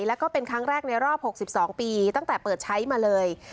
แล้วก็เป็นครั้งแรกในรอบ๖๒ปีตั้งแต่เปิดใช้มาเลย